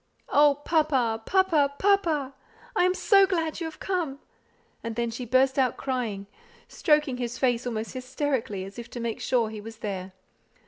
"Oh, papa, papa, papa! I am so glad you have come;" and then she burst out crying, stroking his face almost hysterically as if to make sure he was there.